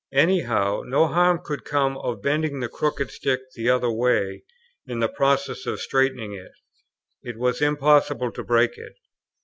Any how, no harm could come of bending the crooked stick the other way, in the process of straightening it; it was impossible to break it.